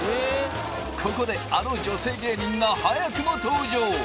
ここであの女性芸人が早くも登場！